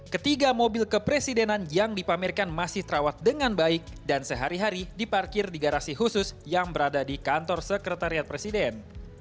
ketiga mobil kepresidenan yang dipamerkan masih terawat dengan baik dan sehari hari diparkir di garasi khusus yang berada di kantor sekretariat presiden